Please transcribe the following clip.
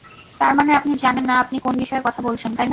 তার মানে, আপনি জানেন না আপনি কোন বিষয়ে কথা বলছেন, তাই না?